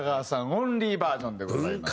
オンリーバージョンでございます。